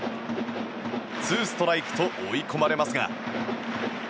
ツーストライクと追い込まれますが。